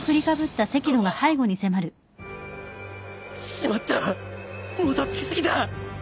しまったもたつき過ぎた！